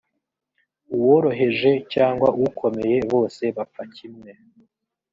uworoheje cyangwa ukomeye bose bapfa kimwe